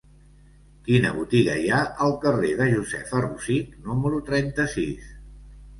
Quina botiga hi ha al carrer de Josefa Rosich número trenta-sis?